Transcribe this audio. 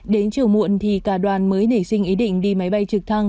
đến chiều muộn thì cả đoàn mới nảy sinh ý định đi máy bay trực thăng